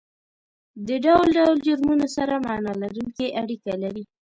د ډول ډول جرمونو سره معنا لرونکې اړیکه لري